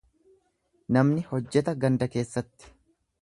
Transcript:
Namni hojjeta ganda keessatti.